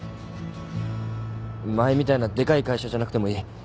前みたいなでかい会社じゃなくてもいい。